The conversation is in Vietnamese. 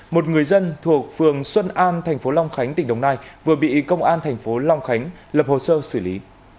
một người dân thuộc phường xuân an thành phố long khánh tỉnh đồng nai vừa bị công an thành phố long khánh lập hồ sơ xử lý